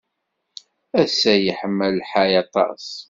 Ass-a yeḥma lḥal aṭas.